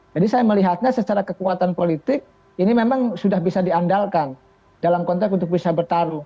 jadi saya melihatnya secara kekuatan politik ini memang sudah bisa diandalkan dalam konteks untuk bisa bertaruh